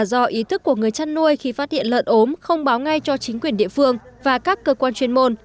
do ý thức của người chăn nuôi khi phát hiện lợn ốm không báo ngay cho chính quyền địa phương và các cơ quan chuyên môn